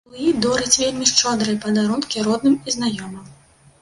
Луі дорыць вельмі шчодрыя падарункі родным і знаёмым.